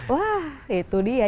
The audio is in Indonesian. wah itu dia